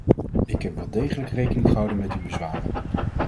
Ik heb wel degelijk rekening gehouden met uw bezwaren.